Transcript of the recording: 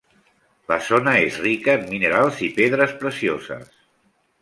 La zona és rica en minerals i pedres precioses.